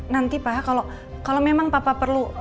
nanti pak ya kalau memang papa perlu